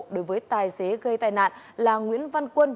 đối với tài xế gây tai nạn là nguyễn văn quân